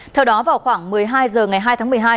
theo đó vào khoảng một mươi hai h ngày hai tháng